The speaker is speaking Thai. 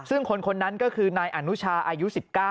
ซึ่งคนนั้นก็คือนายอนุชาอายุ๑๙